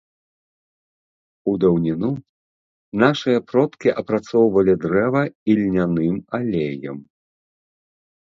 У даўніну нашыя продкі апрацоўвалі дрэва ільняным алеем.